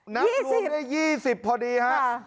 นั้นลุงได้๒๐พอดีครับ